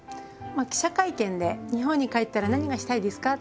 記者会見で日本に帰ったら何がしたいですか？